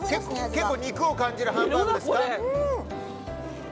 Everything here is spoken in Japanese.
結構、肉を感じるハンバーグですか？